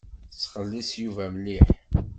Tettxelliṣ Yuba mliḥ.